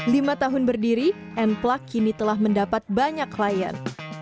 lima tahun berdiri n plug kini telah mendapat banyak klien